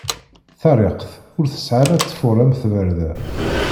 Tarikt ur tesɛa ara ṭṭfuṛ am tbarda.